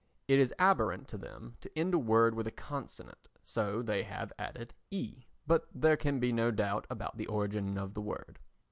It is abhorrent to them to end a word with a consonant so they have added 'ee,' but there can be no doubt about the origin of the word."